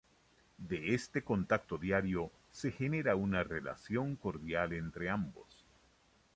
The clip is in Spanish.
De este contacto diario se genera una relación cordial entre ambos.